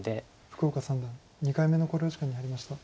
福岡三段２回目の考慮時間に入りました。